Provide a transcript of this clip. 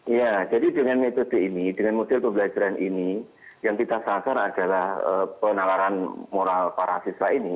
ya jadi dengan metode ini dengan model pembelajaran ini yang kita sasar adalah penalaran moral para siswa ini